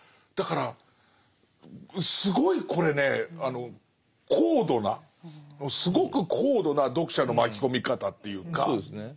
だからすごいこれね高度なすごく高度な読者の巻き込み方っていうか。